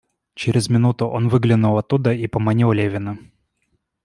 Через минуту он выглянул оттуда и поманил Левина.